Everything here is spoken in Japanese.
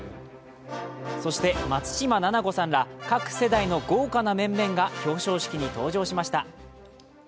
そして松嶋菜々子さんら各世代の豪華な面々が表彰式に登場しました。